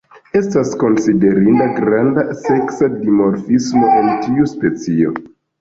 Estas konsiderinda granda seksa dimorfismo en tiu specio.